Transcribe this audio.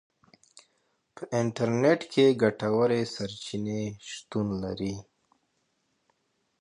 په انټرنیټ کې ګټورې سرچینې شتون لري.